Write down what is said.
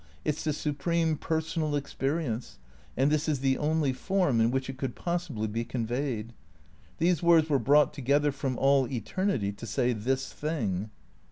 It 's the supreme personal experience, and this is the only form in which it could possibly be conveyed. These words were brought together from all eternity to say this thing."